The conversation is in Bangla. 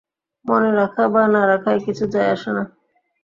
মনে রাখা বা না রাখায় কিছু যায় আসে না।